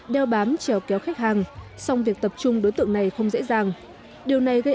đeo bám trèo kéo khách hàng song việc tập trung đối tượng này không dễ dàng điều này gây